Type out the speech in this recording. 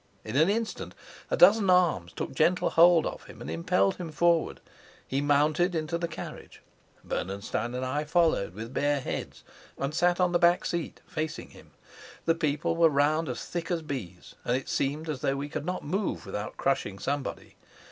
In an instant a dozen arms took gentle hold of him and impelled him forward. He mounted into the carriage; Bernenstein and I followed, with bare heads, and sat on the back seat, facing him. The people were round as thick as bees, and it seemed as though we could not move without crushing somebody.